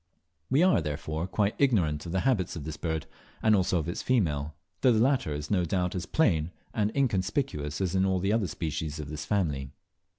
We are therefore quite ignorant of the habits of this bird, and also of its female, though the latter is no doubt as plain and inconspicuous as in all the other species of this family.